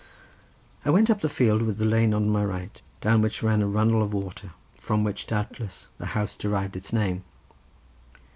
I went up the field with the lane on my right, down which ran a runnel of water, from which doubtless the house derived its name.